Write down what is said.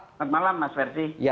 selamat malam mas ferdi